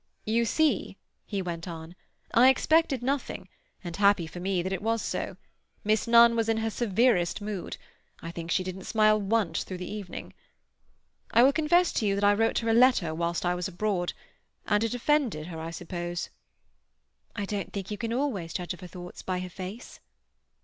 "You see," he went on, "I expected nothing, and happy for me that it was so. Miss Nunn was in her severest mood; I think she didn't smile once through the evening. I will confess to you I wrote her a letter whilst I was abroad, and it offended her, I suppose." "I don't think you can always judge of her thoughts by her face."